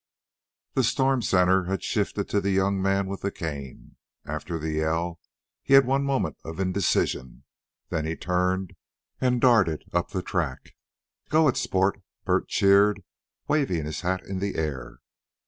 The storm center had shifted to the young man with the cane. After the yell, he had one moment of indecision; then he turned and darted up the track. "Go it, sport!" Bert cheered, waving his hat in the air.